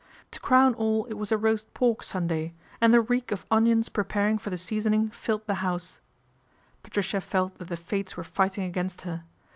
To crown all it was a roast pork Sunday, and the reek of onions preparing for the seasoning filled the house. A RACE WITH SPINSTERHOOD 291 Patricia felt that the fates were fighting against her.